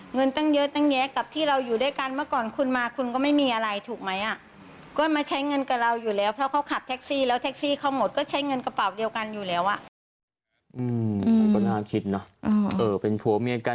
เงินตั้งเยอะตั้งแยะกับที่เราอยู่ด้วยกันเมื่อก่อนคุณมา